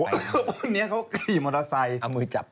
พวกนี้เขากี่มอเตอร์ไซค์